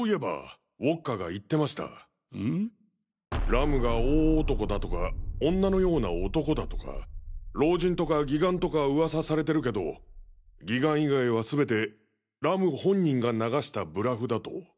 ＲＵＭが大男だとか女のような男だとか老人とか義眼とか噂されてるけど義眼以外はすべてＲＵＭ本人が流したブラフだと。